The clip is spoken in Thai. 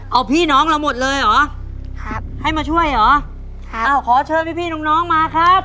เอาพี่น้องเราหมดเลยเหรอครับให้มาช่วยเหรอครับอ้าวขอเชิญพี่พี่น้องน้องมาครับ